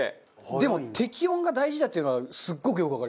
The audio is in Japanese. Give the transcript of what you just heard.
でも適温が大事だっていうのはすごくよくわかります。